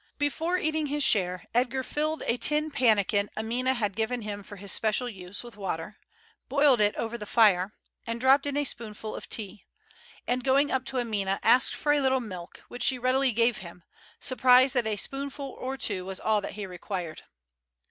Before eating his share Edgar filled a tin pannikin Amina had given him for his special use with water, boiled it over the fire, and dropped in a spoonful of tea, and going up to Amina asked for a little milk, which she readily gave him, surprised that a spoonful or two was all that he required.